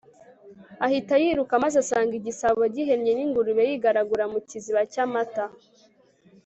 ahita yiruka, maze asanga igisabo gihennye n'ingurube yigaragura mu kiziba cy'amata